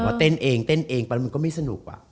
ก็เต้นเองเต้นเองไปก็ไม่สนุกป่ะ